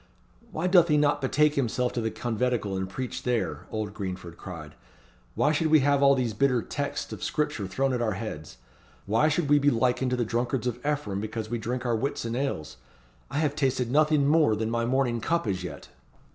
"Why doth he not betake himself to the conventicle and preach there?" old Greenford cried. "Why should we have all these bitter texts of scripture thrown at our heads? Why should we be likened to the drunkards of Ephraim because we drink our Whitsun ales? I have tasted nothing more than my morning cup as yet."